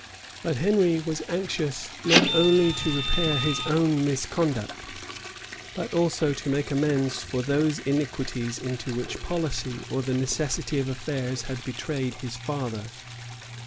But Henry was anxious not only to repair his own misconduct, but also to make amends for those iniquities into which policy or the necessity of affairs had betrayed his father.